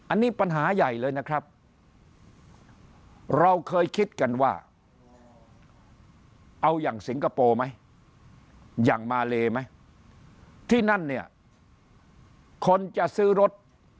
อันนี้ปัญหาใหญ่เลยนะครับเราเคยคิดกันว่าเอาอย่างสิงคโปร์ไหมอย่างมาเลไหมที่นั่นเนี่ยคนจะซื้อรถ